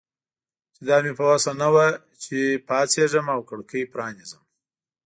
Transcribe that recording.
چې دا مې په وسه نه وه چې پاڅېږم او کړکۍ پرانیزم.